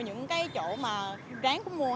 những cái chỗ mà ráng cũng mua